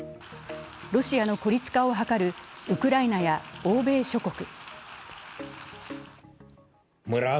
ロシアの孤立化を図るウクライナや欧米諸国。